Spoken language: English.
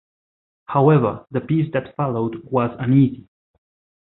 However, the peace that followed was uneasy.